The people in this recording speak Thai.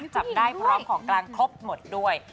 จับได้พร้อมของกลางครบหมดด้วย